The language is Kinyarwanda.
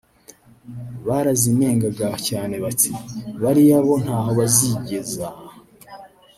barazinengaga cyane bati ‘bariya bo ntaho bazigeza